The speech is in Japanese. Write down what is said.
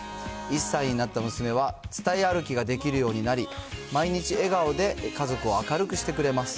１歳になった娘は、伝い歩きができるようになり、毎日笑顔で家族を明るくしてくれます。